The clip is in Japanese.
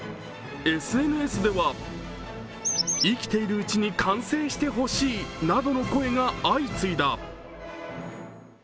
ＳＮＳでは、生きているうちに完成してほしいなどの声が相次いだ。